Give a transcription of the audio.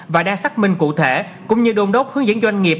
và đa xác minh cụ thể cũng như đồn đốt hướng dẫn doanh nghiệp